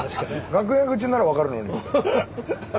楽屋口ならわかるけど。